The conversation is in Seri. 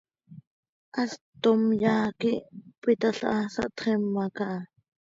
Hast tom yaa quih cöpitalhaa, sahtxima caha.